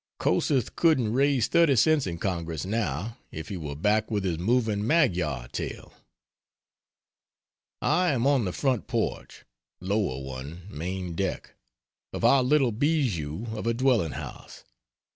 Kossuth couldn't raise 30 cents in Congress, now, if he were back with his moving Magyar Tale. I am on the front porch (lower one main deck) of our little bijou of a dwelling house.